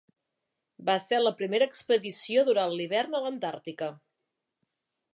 Va ser la primera expedició durant l'hivern a l'Antàrtica.